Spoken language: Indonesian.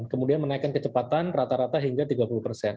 kemudian menaikkan kecepatan rata rata hingga tiga puluh persen